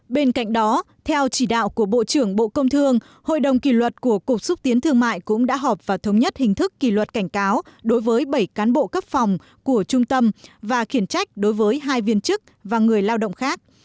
bên cạnh đó theo chỉ đạo của bộ trưởng bộ công thương hội đồng kỷ luật của cục xúc tiến thương mại cũng đã họp và thống nhất hình thức kỷ luật cảnh cáo đối với bảy cán bộ cấp phòng của trung tâm và khiển trách đối với hai viên chức và người lao động khác